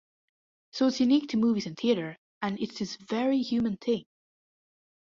So it's unique to movies and theater, and it's this very human thing.